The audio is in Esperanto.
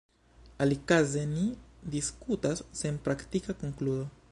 Alikaze ni diskutas sen praktika konkludo.